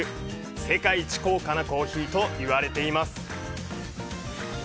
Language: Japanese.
世界一高価なコーヒーといわれています。